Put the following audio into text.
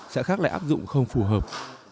sẽ khác lại áp dụng không phù hợp